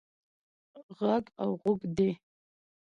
ږغ او ږوغ دی.